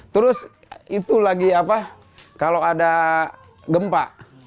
terus itu lagi apa kalau ada gempa